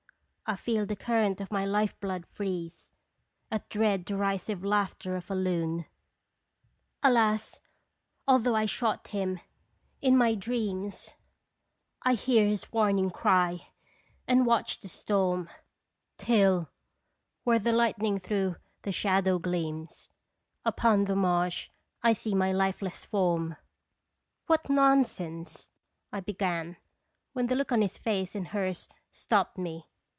I feel the current of my life blood freeze At dread derisive laughter of a loon ! 242 " Htye 0ec0nir QTarfc tDins Alas ! although I shot him in my dreams 1 hear his warning cry, and watch the storm, Till, where the lightnii j through the shadow gleams Upon the marsh, I see my lifeless form '"" What nonsense !" I began, when the' look on his face and hers stopped me.